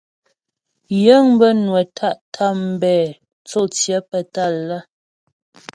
Yə̂ŋ bə́ nwə́ tá’ tambɛ̂ tsô tsyə́ pə́ Tâlá.